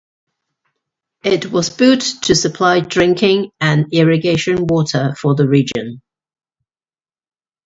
It was built to supply drinking and irrigation water for the region.